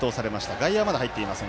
外野はまだ入っていません。